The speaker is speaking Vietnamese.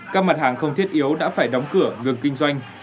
các mặt hàng không thiết yếu đã phải đóng cửa ngừng kinh doanh